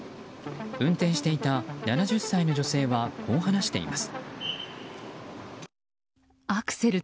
運転していた７０歳の女性はこう話しています。